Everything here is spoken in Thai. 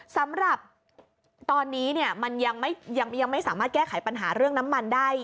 สำหรับตอนนี้เนี่ยมันยังไม่สามารถแก้ไขปัญหาเรื่องน้ำมันได้